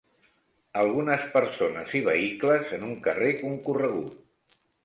Algunes persones i vehicles en un carrer concorregut.